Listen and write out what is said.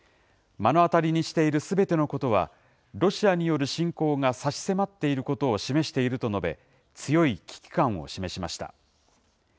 目の当たりにしているすべてのことは、ロシアによる侵攻が差し迫っていることを示していると述べ、強い危機感を示しました。